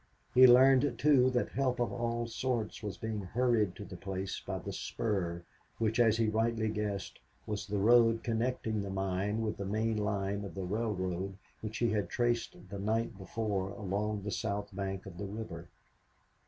He learned too that help of all sorts was being hurried to the place by the "spur," which, as he rightly guessed, was the road connecting the mine with the main line of the railroad which he had traced the night before along the south bank of the river.